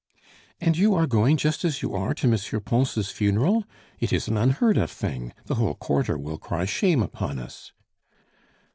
"And you are going just as you are to M. Pons' funeral? It is an unheard of thing; the whole quarter will cry shame upon us!"